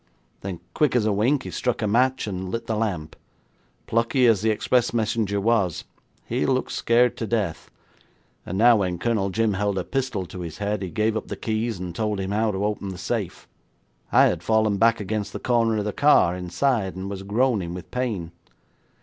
Then, quick as a wink he struck a match, and lit the lamp. Plucky as the express messenger was, he looked scared to death, and now, when Colonel Jim held a pistol to his head, he gave up the keys and told him how to open the safe. I had fallen back against the corner of the car, inside, and was groaning with Pain.